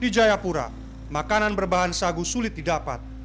di jayapura makanan berbahan sagu sulit didapat